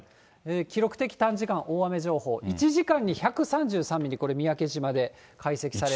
記録的短時間大雨情報、１時間に１３３ミリ、これ、１時間で？